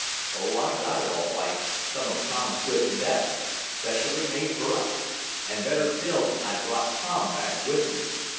"Oh, I got it all right some of Tom Swift's best specially made for us. And, better still, I've brought Tom back with me."